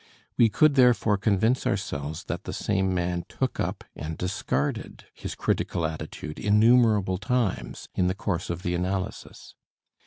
We could therefore convince ourselves that the same man took up and discarded his critical attitude innumerable times in the course of the analysis.